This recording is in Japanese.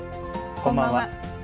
こんばんは。